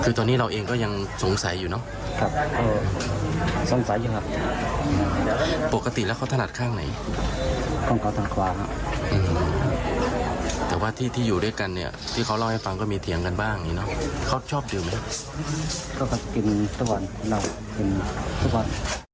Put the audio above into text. เอาให้ฟังก็มีเถียงกันบ้างนี่นะฮะเขาชอบดื่มไหมคือก็กินตะวันเรากินตะวัน